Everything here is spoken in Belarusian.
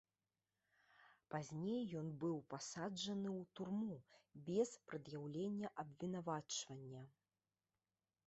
Пазней ён быў пасаджаны ў турму без прад'яўлення абвінавачвання.